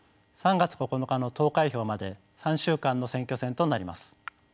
３月９日の投開票まで３週間の選挙戦となります。